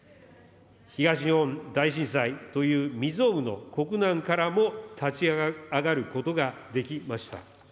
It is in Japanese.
東日本大震災という未曽有の国難からも、立ち上がることができました。